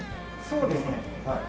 そうですねはい。